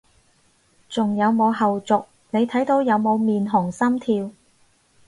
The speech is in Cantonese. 仲有冇後續，你睇到有冇面紅心跳？